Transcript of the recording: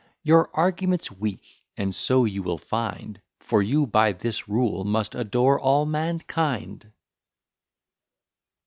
Your argument's weak, and so you will find; For you, by this rule, must adore all mankind.